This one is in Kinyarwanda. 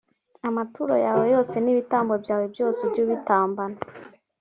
amaturo yawe yose n ibitambo byawe byose ujye ubitambana